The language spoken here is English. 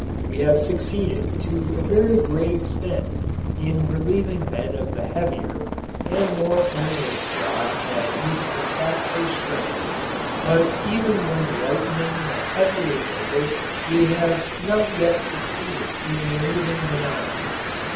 We have succeeded to a very great extent in relieving men of the heavier and more onerous jobs that used to sap their strength, but even when lightening the heavier labour we have not yet succeeded in removing monotony.